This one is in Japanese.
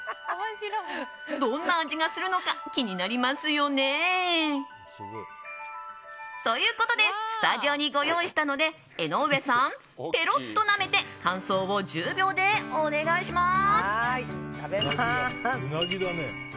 どんな味がするのか気になりますよね？ということでスタジオにご用意したので江上さん、ペロッとなめて感想を１０秒でお願いします。